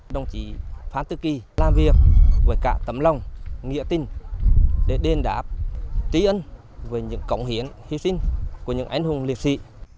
đồng chí phan tư kỳ làm việc với cả tấm lòng nghĩa tin để đền đáp tí ấn với những cộng hiến hy sinh của những anh hùng liệt sĩ